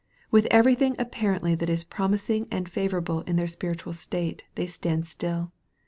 With everything apparently that is promising and favor able in their spiritual state, they stand still.